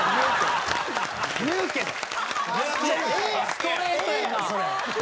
ストレートやな。